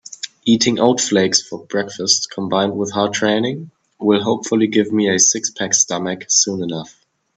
Eating oat flakes for breakfast combined with hard training will hopefully give me a six-pack stomach soon enough.